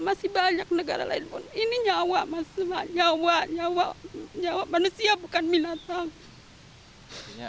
masih banyak negara lain pun ini nyawa mas nyawa nyawa manusia bukan binatang